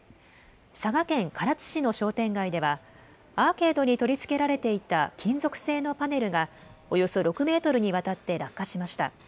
佐賀県唐津市の商店街では、アーケードに取り付けられていた金属製のパネルが、およそ６メートルにわたって落下しました。